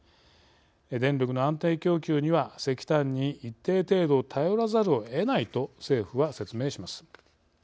「電力の安定供給には石炭に一定程度頼らざるをえない」と政府は説明します。